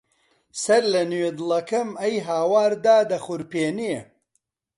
سەرلەنوێ دڵەکەم ئەی هاوار دادەخورپێنێ